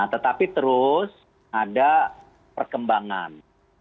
tetapi terus ada perkembangan